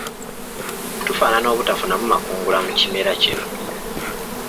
Tufaanana obutafunamu makungula mu kimera kino.